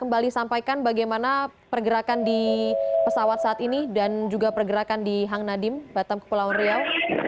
anda akan menyampaikan bagaimana pergerakan di pesawat saat ini dan juga pergerakan di hang nading batam kepulauan riau